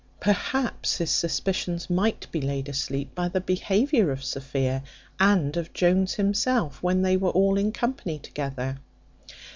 Perhaps his suspicions might be laid asleep by the behaviour of Sophia, and of Jones himself, when they were all in company together.